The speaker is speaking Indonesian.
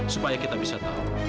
supaya kita bisa tahu